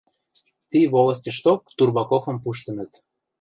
Ти волостьышток Турбаковым пуштыныт.